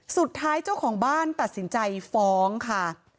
สุดท้ายเจ้าของบ้านตัดสินใจฟ้องค่ะ